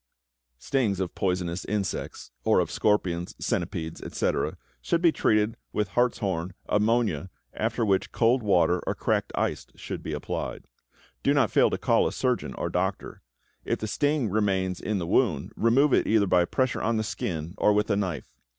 =Stings of Poisonous Insects= or of scorpions, centipedes, etc., should be treated with hartshorn, ammonia, after which cold water or cracked ice should be applied. Do not fail to call a surgeon or doctor. If the sting remains in the wound, remove it either by pressure on the skin or with a knife.